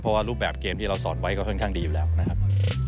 เพราะว่ารูปแบบเกมที่เราสอนไว้ก็ค่อนข้างดีอยู่แล้วนะครับ